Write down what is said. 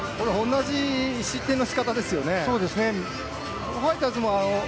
同じ失点の仕方ですよね。